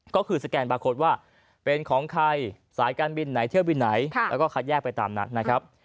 ก็คือสแกนบาร์โค้ดว่าเป็นของใครสายการบินไหนเที่ยวบินไหนแล้วก็คัดแยกไปตามนัดนะครับ